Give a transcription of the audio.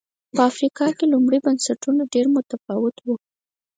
په افریقا کې لومړي بنسټونه ډېر متفاوت و